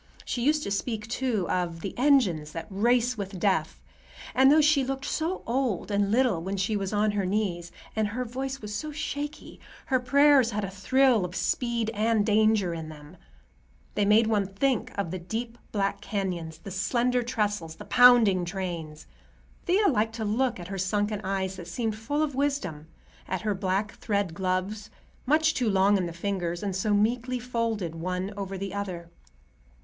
She used to speak, too, of "the engines that race with death"; and though she looked so old and little when she was on her knees, and her voice was so shaky, her prayers had a thrill of speed and danger in them; they made one think of the deep black canyons, the slender trestles, the pounding trains. Thea liked to look at her sunken eyes that seemed full of wisdom, at her black thread gloves, much too long in the fingers and so meekly folded one over the other.